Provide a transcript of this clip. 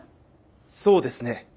そうですね。